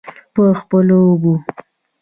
په خپلو اوبو.